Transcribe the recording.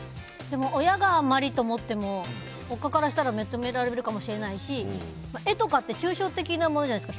親があまりと思っても他からしたらめっちゃ認められるかもしれないし絵とかって抽象的なものじゃないですか。